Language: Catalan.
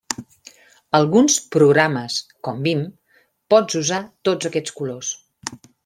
Alguns programes, com vim, pot usar tots aquests colors.